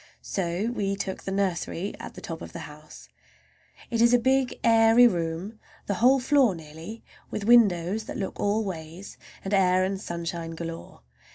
So we took the nursery, at the top of the house. It is a big, airy room, the whole floor nearly, with windows that look all ways, and air and sunshine galore.